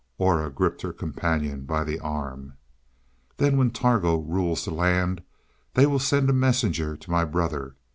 Aura gripped her companion by the arm. "Then when Targo rules the land, they will send a messenger to my brother.